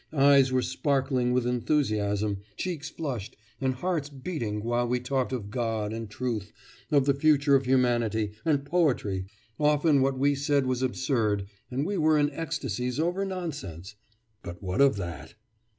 Eyes were sparkling with enthusiasm, cheeks flushed, and hearts beating, while we talked of God, and truth, of the future of humanity, and poetry ... often what we said was absurd, and we were in ecstasies over nonsense; but what of that?...